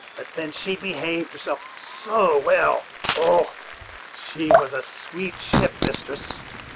But then she behaved herself so well! Oh! she was a sweet ship, mistress!